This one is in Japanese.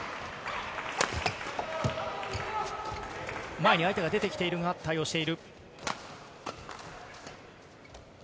前に相手が出てきているが、対応している。